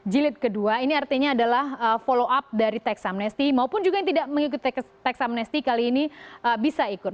jilid kedua ini artinya adalah follow up dari teks amnesti maupun juga yang tidak mengikuti tax amnesti kali ini bisa ikut